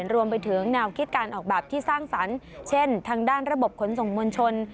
รวมไปถึงแนวคิดการออกแบบที่สร้างสรรค์เช่นทางด้านระบบขนส่งมวลชน